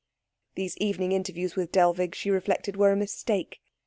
These evening interviews with Dellwig, she reflected, were a mistake.